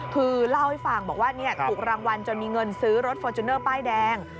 คือเล่าให้ฟังบอกว่าถูกรางวัลจนมีเงินซื้อรถฟอร์จูเนอร์ป้ายแดง